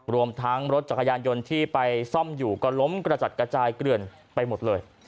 รวมทั้งรถจักรยานยนต์ที่ไปซ่อมอยู่ก็ล้มกระจัดกระจายเกลื่อนไปหมดเลย